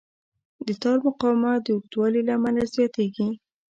د تار مقاومت د اوږدوالي له امله زیاتېږي.